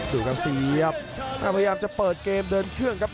ดูครับเสียบพยายามจะเปิดเกมเดินเครื่องครับ